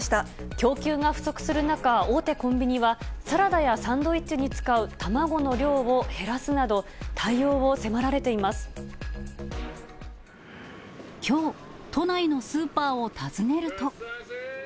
供給が不足する中、大手コンビニは、サラダやサンドイッチに使う卵の量を減らすなど、対応を迫られてきょう、都内のスーパーを訪ねると。